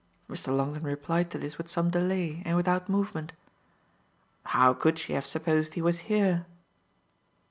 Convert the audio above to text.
Mr. Longdon replied to this with some delay and without movement. "How could she have supposed he was here?"